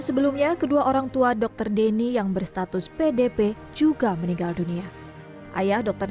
sebelumnya kedua orang tua dokter deni yang berstatus pdp juga meninggal dunia ayah dokter